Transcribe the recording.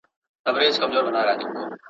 مُلا پاچا دی طالب ښاغلی ..